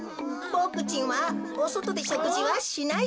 ボクちんはおそとでしょくじはしない